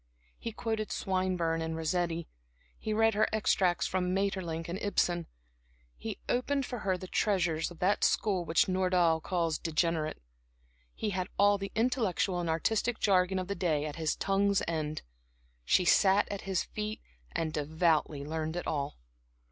He quoted Swinburne and Rossetti; he read her extracts from Maeterlinck and Ibsen; he opened for her the treasures of that school which Nordau calls degenerate. He had all the intellectual and artistic jargon of the day at his tongue's end. She sat at his feet and devoutly learned it all.